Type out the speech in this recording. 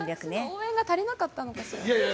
応援が足りなかったのかしら。